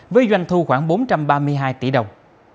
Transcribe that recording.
với doanh thu khoảng bốn trăm ba mươi hai tỷ đồng